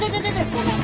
ごめん。